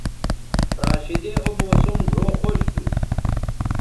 راشدے او موسم ڙھؤ خوش تھو